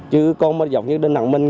chứ còn mà giống như đình hằng minh